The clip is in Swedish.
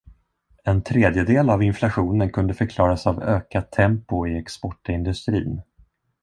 En tredjedel av inflationen kunde förklaras av ökat tempo i exportindustrin.